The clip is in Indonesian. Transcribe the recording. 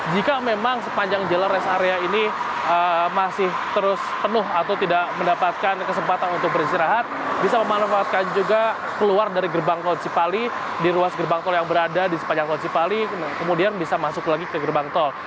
jika memang sepanjang jalan rest area ini masih terus penuh atau tidak mendapatkan kesempatan untuk beristirahat bisa memanfaatkan juga keluar dari gerbang tol cipali di ruas gerbang tol yang berada di sepanjang tol cipali kemudian bisa masuk lagi ke gerbang tol